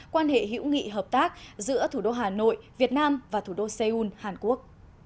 quan hệ hữu nghị hợp tác giữa thủ đô hà nội việt nam và thủ đô seoul hàn quốc